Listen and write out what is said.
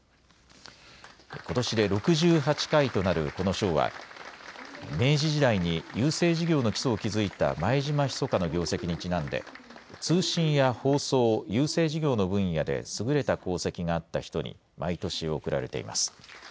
ことしで６８回となるこの賞は、明治時代に郵政事業の基礎を築いた前島密の業績にちなんで、通信や放送、郵政事業の分野で優れた功績があった人に毎年贈られています。